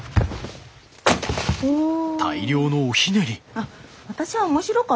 あっ私は面白かったよ。